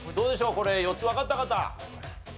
これ４つわかった方？